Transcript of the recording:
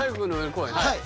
はい。